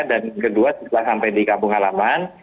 dan kedua setelah sampai di kampung halaman